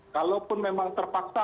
kalaupun memang terpaksa